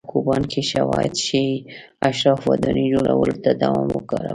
په کوپان کې شواهد ښيي اشرافو ودانۍ جوړولو ته دوام ورکاوه.